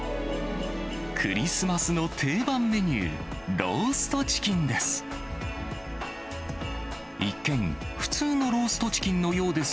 クリスマスの定番メニュー、ローストチキンです。